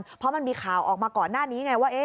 เวลาก่อนเพราะมันมีข่าวออกมานะก่อนในหน้านี้ไงว่า